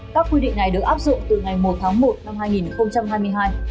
các quy định này được áp dụng từ ngày một tháng một năm hai nghìn hai mươi hai